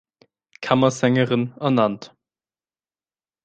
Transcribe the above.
Kammersängerin" ernannt.